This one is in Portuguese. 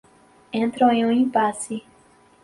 entram em um impasse